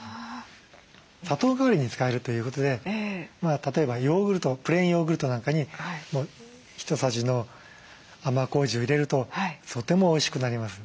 砂糖代わりに使えるということで例えばプレーンヨーグルトなんかに１さじの甘こうじを入れるととてもおいしくなります。